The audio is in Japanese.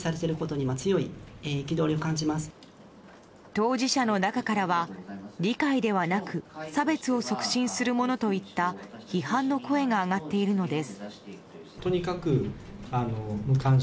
当事者の中からは理解ではなく差別を促進するものといった批判の声が上がっているのです。